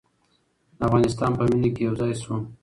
د افغانستان په مینه کې یو ځای شو.